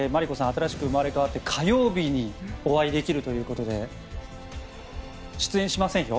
新しく生まれ変わって火曜日にお会いできるということで出演しませんよ。